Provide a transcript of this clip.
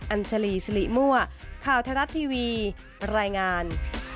อันจรีสิริมัวข่าวทะลัดทีวีรายงาน